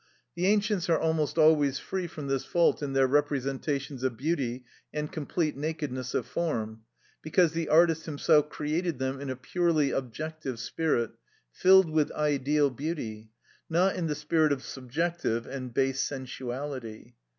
The ancients are almost always free from this fault in their representations of beauty and complete nakedness of form, because the artist himself created them in a purely objective spirit, filled with ideal beauty, not in the spirit of subjective, and base sensuality.